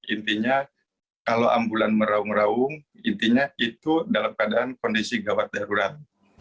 intinya kalau ambulan meraung raung intinya itu dalam keadaan kondisi gawat darurat